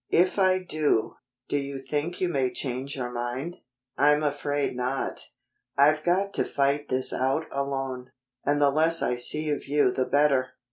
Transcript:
"If I do, do you think you may change your mind?" "I'm afraid not." "I've got to fight this out alone, and the less I see of you the better."